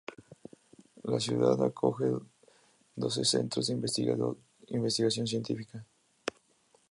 La ciudad acoge doce centros de investigación científica.